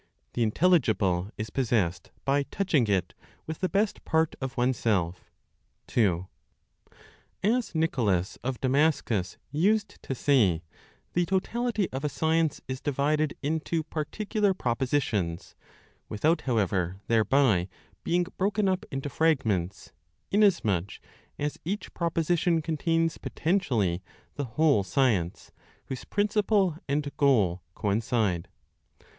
THE INTELLIGIBLE IS POSSESSED BY TOUCHING IT WITH THE BEST PART OF ONESELF. 2. (As Nicholas of Damascus used to say) the totality of a science is divided into particular propositions, without, however, thereby being broken up into fragments, inasmuch as each proposition contains potentially the whole science, whose principle and goal coincide.